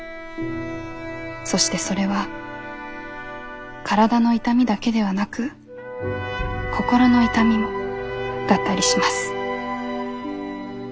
そしてそれは体の痛みだけではなく心の痛みもだったりします」。